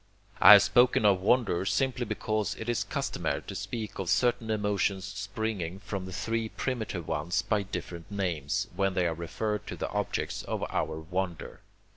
I have spoken of wonder simply because it is customary to speak of certain emotions springing from the three primitive ones by different names, when they are referred to the objects of our wonder.